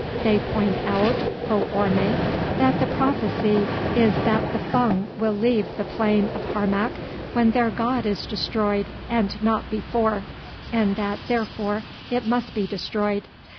They point out, O Orme, that the prophecy is that the Fung will leave the plain of Harmac when their god is destroyed and not before, and that therefore it must be destroyed.